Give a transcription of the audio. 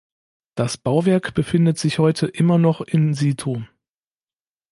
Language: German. Das Bauwerk befindet sich heute immer noch "in situ".